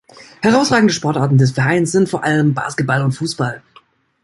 Herausragende Sportarten des Vereines sind vor allem Basketball und Fußball.